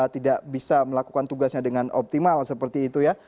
tidak bisa melakukan tugasnya dengan optimal seperti itu ya